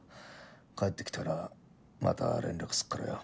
帰ってきたらまた連絡すっからよ。